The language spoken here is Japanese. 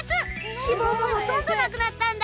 脂肪もほとんどなくなったんだ。